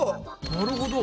なるほど。